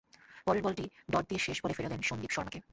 পরের বলটি ডট দিয়ে শেষ বলে ফেরালেন সন্দ্বীপ শর্মাকে।